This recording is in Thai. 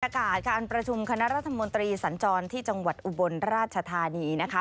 การประชุมคณะรัฐมนตรีสัญจรที่จังหวัดอุบลราชธานีนะคะ